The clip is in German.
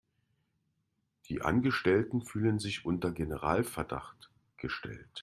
Die Angestellten fühlen sich unter Generalverdacht gestellt.